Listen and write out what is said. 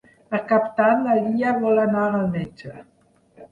Per Cap d'Any na Lia vol anar al metge.